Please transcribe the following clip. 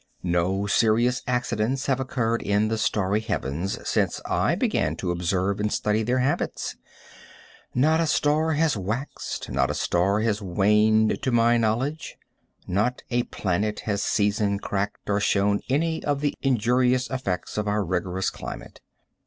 No serious accidents have occurred in the starry heavens since I began to observe and study their habits. Not a star has waxed, not a star has waned to my knowledge. Not a planet has season cracked or shown any of the injurious effects of our rigorous climate.